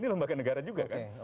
ini lembaga negara juga kan